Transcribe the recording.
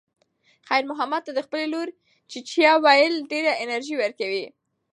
خیر محمد ته د خپلې لور "چیچیه" ویل ډېره انرژي ورکوي.